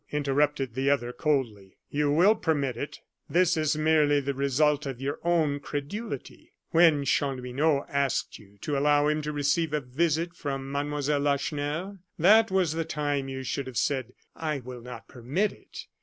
interrupted the other, coldly, "you will permit it. This is merely the result of your own credulity. When Chanlouineau asked you to allow him to receive a visit from Mademoiselle Lacheneur, that was the time you should have said: 'I will not permit it.